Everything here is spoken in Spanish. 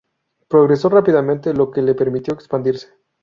Progresó rápidamente, lo que le permitió expandirse.